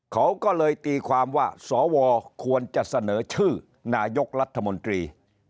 เขาก็เลยตีความว่าสวควรจะเสนอชื่อนายกรัฐมนตรี